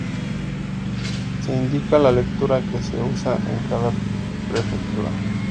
Se indica la lectura que se usa en cada prefectura.